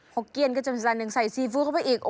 โฮเกียนก็จะเป็นส่วนหนึ่งใส่ซีฟู้ดเข้าไปอีก